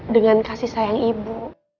dengan kasih sayang ibu